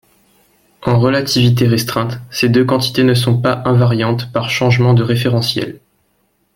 En relativité restreinte, ces deux quantités ne sont pas invariantes par changement de référentiel.